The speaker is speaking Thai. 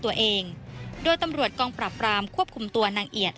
ตัวเองโดยตำรวจกองปราบรามควบคุมตัวนางเอียด